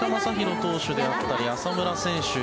投手であったり浅村選手